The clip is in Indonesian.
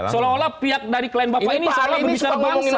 seolah olah pihak dari klien bapak ini seolah olah berbisara bangsa